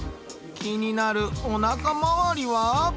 気になるおなか回りは？